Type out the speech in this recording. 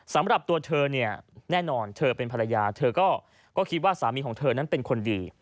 สำหรับตัวเธอเนี่ยแน่นอนเธอเป็นภรรยาเธอก็คิดว่าสามีของเธอนั้นเป็นคนดี